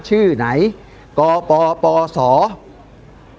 ตอนต่อไป